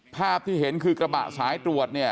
ภาพที่เห็นคือกระบะสายตรวจเนี่ย